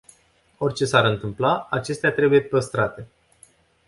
Orice s-ar întâmpla, acestea trebuie păstrate.